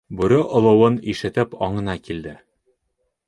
Бүре олоуын ишетеп аңына килде.